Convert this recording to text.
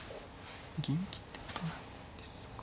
銀金ってことなんですか？